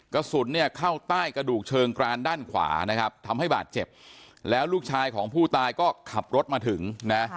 กระสุนเนี่ยเข้าใต้กระดูกเชิงกรานด้านขวานะครับทำให้บาดเจ็บแล้วลูกชายของผู้ตายก็ขับรถมาถึงนะ